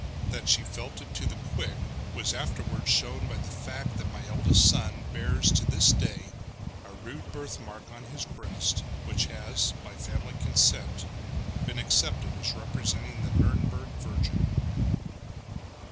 That she felt it to the quick was afterwards shown by the fact that my eldest son bears to this day a rude birthmark on his breast, which has, by family consent, been accepted as representing the Nurnberg Virgin.